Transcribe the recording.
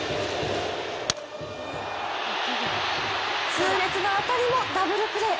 痛烈な当たりも、ダブルプレー。